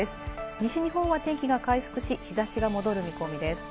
西日本は天気が回復し、日差しが戻る見込みです。